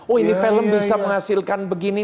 oh ini film bisa menghasilkan begini